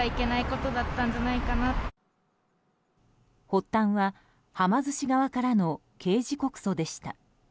発端は、はま寿司側からの刑事告訴でした。